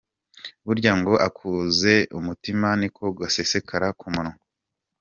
Burya ngo akuzuye umutima niko gasesekara ku munwa.